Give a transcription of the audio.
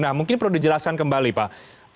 nah mungkin perlu dijelaskan kembali pak